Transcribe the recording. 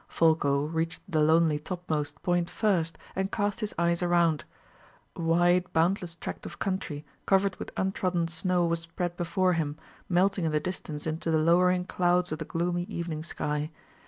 Folko reached the lonely topmost point first, and cast his eyes around. A wide, boundless tract of country, covered with untrodden snow, was spread before him, melting in the distance into the lowering clouds of the gloomy evening sky.